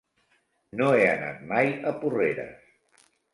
No he anat mai a Porreres.